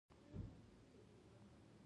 زما خوا ته کښېناست.